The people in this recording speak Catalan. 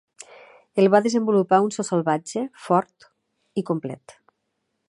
El va desenvolupar un so salvatge, fort i complet.